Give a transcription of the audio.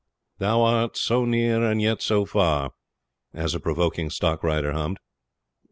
'Thou art so near and yet so far,' as a provoking stock rider hummed.